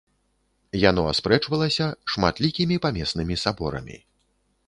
Яно аспрэчвалася шматлікімі памеснымі саборамі.